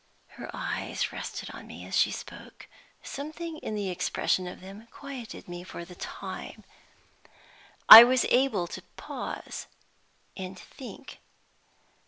Her eyes rested on me as she spoke. Something in the expression of them quieted me for the time. I was able to pause and think.